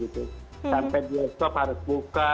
sampai besok harus buka